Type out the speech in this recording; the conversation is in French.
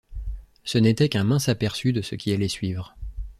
Ce n'était qu'un mince aperçu de ce qui allait suivre.